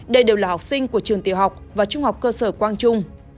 đây đều là học sinh của trường tiểu học và trung học cơ sở quang trung